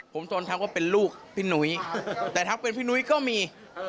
ผมโดนทักว่าเป็นลูกพี่หนุ้ยแต่ทักเป็นพี่นุ้ยก็มี